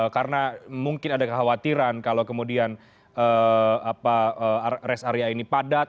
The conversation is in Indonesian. karena mungkin ada kekhawatiran kalau kemudian res area ini padat